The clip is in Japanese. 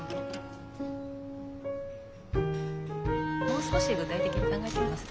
もう少し具体的に考えてみます。